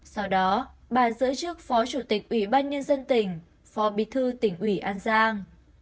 sau đó bà giữ chức phó chủ tịch ủy ban nhân dân tỉnh phó bí thư tỉnh ủy an giang